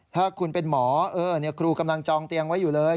ถ้าคุณเป็นหมอครูกำลังจองเตียงไว้อยู่เลย